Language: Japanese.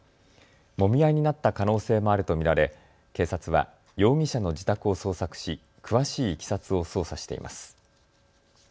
もみ合いになった可能性もあると見られ警察は容疑者の自宅を捜索し詳しいいきさつを捜査しています。